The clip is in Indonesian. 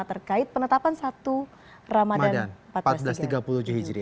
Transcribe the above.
terkait penetapan satu ramadhan seribu empat ratus tiga puluh hijri